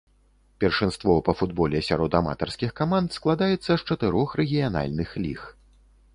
Першынство па футболе сярод аматарскіх каманд складаецца з чатырох рэгіянальных ліг.